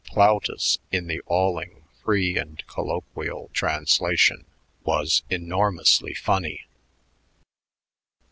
Plautus in the Alling free and colloquial translations was enormously funny.